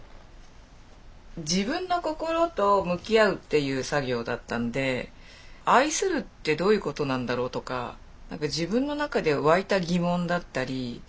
自分の心と向き合うっていう作業だったんで愛するってどういうことなんだろう？とか自分の中で湧いた疑問だったり。